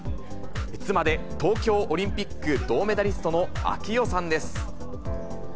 妻で東京オリンピック銅メダリストの啓代さんです。